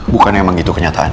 bukan emang gitu kenyataanmu